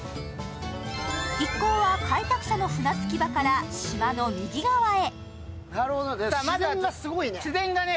一行は開拓者の船着き場から、島の右側へ。